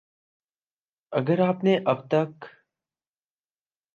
اگر آپ نے اب تک